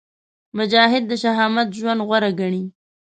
مجاهد د شهامت ژوند غوره ګڼي.